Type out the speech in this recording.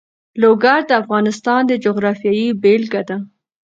لوگر د افغانستان د جغرافیې بېلګه ده.